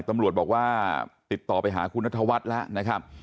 ตำรวจบอกว่าติดต่อไปหาคุณนัทวัฒน์แล้วนะครับ